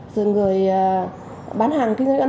rồi người bán hàng kinh doanh ổn định